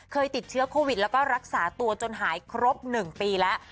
เคยติดเชื้อโควิดแล้วก็รักษาตัวจนหายครบ๑ปีแล้ว